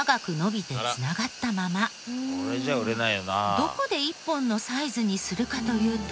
どこで１本のサイズにするかというと。